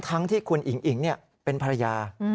ทั้งที่คุณอิ๋งอิ๋งเป็นภรรยา